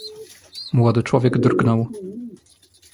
"Młody człowiek drgnął."